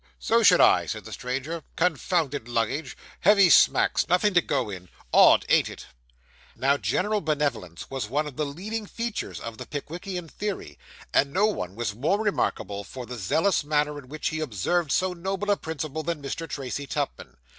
'So should I,' said the stranger 'confounded luggage, heavy smacks nothing to go in odd, ain't it?' Now general benevolence was one of the leading features of the Pickwickian theory, and no one was more remarkable for the zealous manner in which he observed so noble a principle than Mr. Tracy Tupman.